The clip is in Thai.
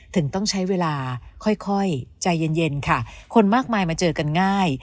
ถึงต้องใช้เวลาค่อยใจเย็นค่ะคนมากมายมาเจอกันง่าย